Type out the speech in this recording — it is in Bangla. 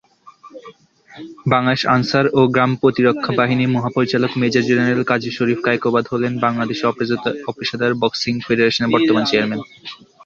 বাংলাদেশ আনসার ও গ্রাম প্রতিরক্ষা বাহিনীর মহাপরিচালক মেজর জেনারেল কাজী শরীফ কায়কোবাদ হলেন বাংলাদেশ অপেশাদার বক্সিং ফেডারেশনের বর্তমান চেয়ারম্যান।